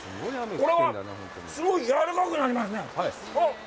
これはすごいやわらかくなりますね！